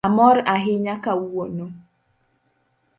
Amor ahinya kawuono